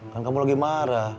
kan kamu lagi marah